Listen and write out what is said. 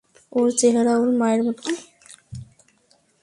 ওর চেহারা ওর মায়ের মতো।